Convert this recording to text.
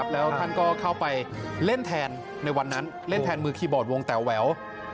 แล้วท่านก็เข้าไปเล่นแทนในวันนั้นเล่นแทนมือคีย์บอร์ดวงแต่แหวว